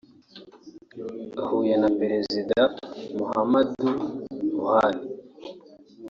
ahuye na Perezida Muhammadu Buhari